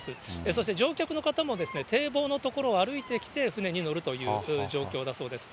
そして乗客の方も、堤防の所を歩いてきて、船に乗るという状況だそうです。